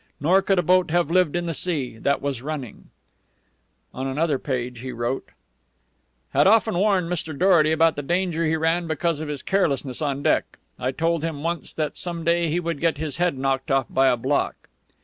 Nor could a boat have lived in the sea that was running_." On another page, he wrote: "_Had often warned Mr. Dorety about the danger he ran because of his carelessness on deck. I told him, once, that some day he would get his head knocked off by a block.